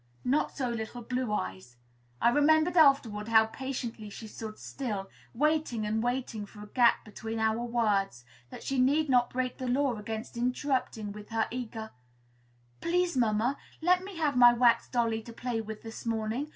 Not so little Blue Eyes. I remembered afterward how patiently she stood still, waiting and waiting for a gap between our words, that she need not break the law against interrupting, with her eager "Please, mamma, let me have my wax dolly to play with this morning!